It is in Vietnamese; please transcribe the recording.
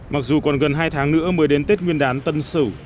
mặc dù còn gần hai tháng nữa mới đến tết nguyên đán tân sử